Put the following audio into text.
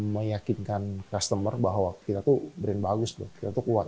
meyakinkan customer bahwa kita tuh brand bagus kita tuh kuat